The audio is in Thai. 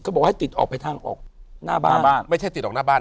บอกให้ติดออกไปทางออกหน้าบ้านไม่ใช่ติดออกหน้าบ้าน